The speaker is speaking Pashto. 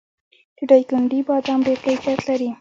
د دایکنډي بادام ډیر کیفیت لري.